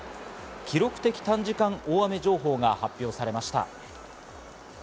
記録的短時間大雨情報が発表されました。